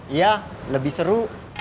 iya lebih seru